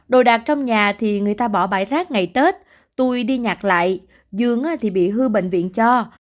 đồ đạc trong nhà thì người ta bỏ bãi rác ngày tết tui đi nhạc lại dường thì bị hư bệnh viện cho